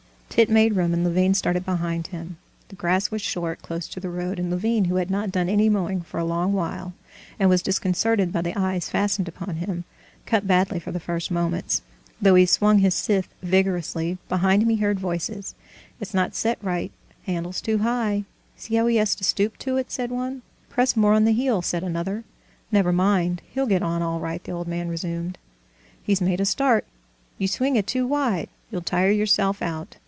Tit made room, and Levin started behind him. The grass was short close to the road, and Levin, who had not done any mowing for a long while, and was disconcerted by the eyes fastened upon him, cut badly for the first moments, though he swung his scythe vigorously. Behind him he heard voices: "It's not set right; handle's too high; see how he has to stoop to it," said one. "Press more on the heel," said another. "Never mind, he'll get on all right," the old man resumed. "He's made a start.... You swing it too wide, you'll tire yourself out....